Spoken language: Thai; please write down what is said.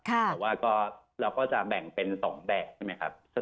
แต่ว่าเราก็จะแบ่งเป็น๒แบบใช่ไหมครับ